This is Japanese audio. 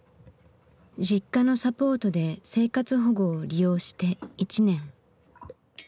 Ｊｉｋｋａのサポートで生活保護を利用して１年。